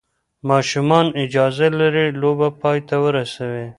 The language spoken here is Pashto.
ماشومان اجازه لري لوبه پای ته ورسوي.